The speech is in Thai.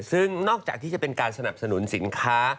ซึ่งนอกจากที่จะเป็นการสนับสนุนสินค้า